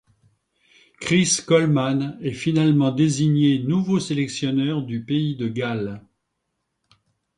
Chris Coleman est finalement désigné nouveau sélectionneur du pays de Galles.